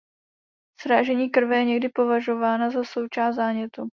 Srážení krve je někdy považována za součást zánětu.